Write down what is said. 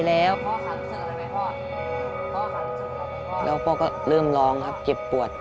แล้วพ่อก็เริ่มร้องครับเจ็บปวด